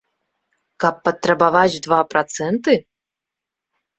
Каб патрабаваць два працэнты?